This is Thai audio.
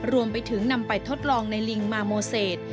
รวมไปถึงนำไปทดลองในลิงมาโมเศษ